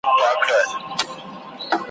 له څپو څخه د امن و بېړۍ ته ,